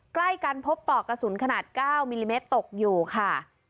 ใกล้กันพบปอกกระสุนขนาด๙มิลลิเมตรตกอยู่ค่ะ